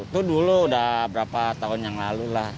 itu dulu udah berapa tahun yang lalu lah